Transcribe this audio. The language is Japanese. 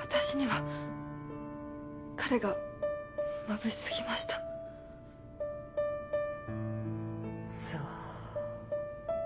私には彼がまぶしすぎましたそう